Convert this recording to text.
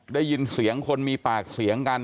ได้ยินเสียงคนมีปากเสียงกัน